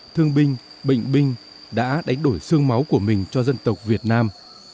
thương binh bệnh binh đã đánh đổi sương máu của mình cho dân tộc việt nam